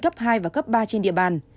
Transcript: cấp hai và cấp ba trên địa bàn